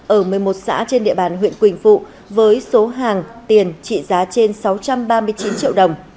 ở một mươi một xã trên địa bàn huyện quỳnh phụ với số hàng tiền trị giá trên sáu trăm ba mươi chín triệu đồng